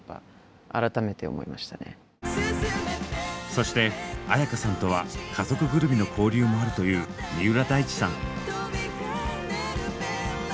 そして絢香さんとは家族ぐるみの交流もあるという三浦大知さん。